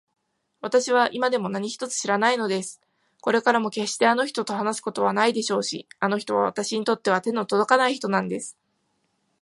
わたしは今でも何一つ知らないのです。これからもけっしてあの人と話すことはないでしょうし、あの人はわたしにとっては手のとどかない人なんです。